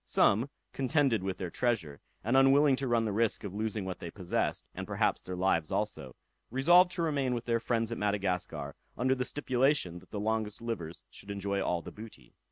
Some, contended with their treasure, and unwilling to run the risk of losing what they possessed, and perhaps their lives also, resolved to remain with their friends at Madagascar, under the stipulation that the longest livers should enjoy all the booty.